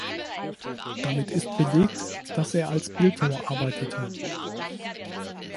Damit ist belegt, dass er als Bildhauer arbeitete.